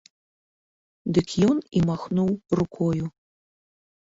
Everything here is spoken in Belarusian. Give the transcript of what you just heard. Дык ён і махнуў рукою.